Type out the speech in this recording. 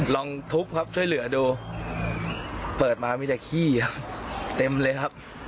ลองทุบครับช่วยเหลือดูเปิดมามีแต่ขี้ครับเต็มเลยครับ